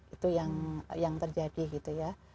itu yang terjadi gitu ya